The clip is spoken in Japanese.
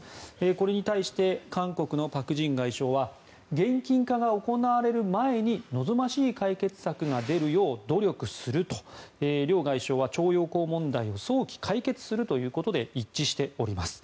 これに対して韓国のパク・ジン外相は現金化が行われる前に望ましい解決策が出るよう努力すると両外相は徴用工問題を早期解決するということで一致しております。